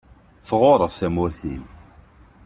Tɣuṛṛeḍ tamurt-im.